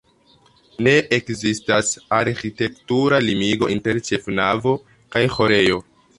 Ne ekzistas arĥitektura limigo inter ĉefnavo kaj ĥorejo.